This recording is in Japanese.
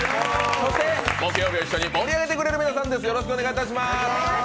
そして木曜日を一緒に盛り上げてくれる皆さんです。